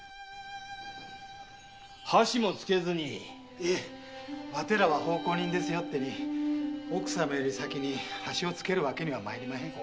いえわてらは奉公人ですよってに奥様より先に箸をつけるわけには参りまへん。